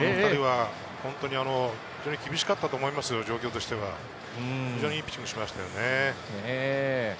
この２人は厳しかったと思いますよ、状況としては非常にいいピッチングをしましたね。